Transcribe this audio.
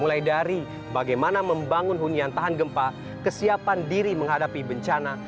mulai dari bagaimana membangun hunian tahan gempa kesiapan diri menghadapi bencana